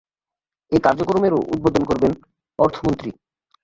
এ কার্যক্রমেরও উদ্বোধন করবেন অর্থমন্ত্রী।